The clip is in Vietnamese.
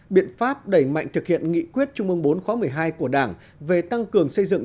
biện pháp đẩy mạnh thực hiện nghị quyết trung ương bốn khóa một mươi hai của đảng về tăng cường xây dựng